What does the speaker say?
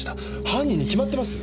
犯人に決まってます！